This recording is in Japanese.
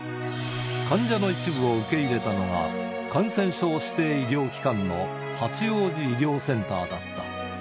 患者の一部を受け入れたのが、感染症指定医療機関の八王子医療センターだった。